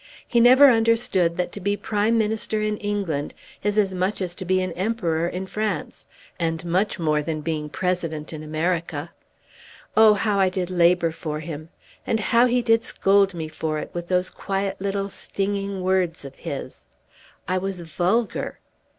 He never understood that to be Prime Minister in England is as much as to be an Emperor in France, and much more than being President in America. Oh, how I did labour for him, and how he did scold me for it with those quiet little stinging words of his! I was vulgar!"